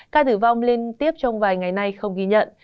ca tử vong liên tiếp trong vài ngày nay không ghi nhận